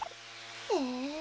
へえ。